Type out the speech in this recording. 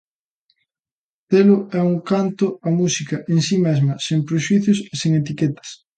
Telo é un canto á música en si mesma, sen prexuízos e sen etiquetas.